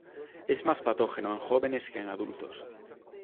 Es más patógeno en jóvenes que en adultos.